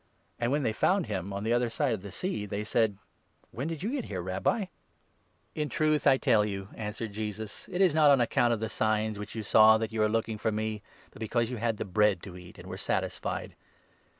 And, when they found him on the other side of the Sea, they said :" When did you get here, Rabbi ?"" Deut. 1 8. 15; Pi. 118. 26. JOHN, 6. 177 " In truth I tell you," answered Jesus, " it is not on account 26 of the signs which you saw that you are looking for me, but because you had the bread to eat and were satisfied.